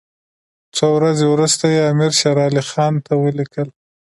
څو ورځې وروسته یې امیر شېر علي خان ته ولیکل.